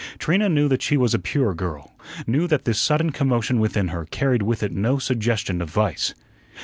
Trina knew that she was a pure girl; knew that this sudden commotion within her carried with it no suggestion of vice.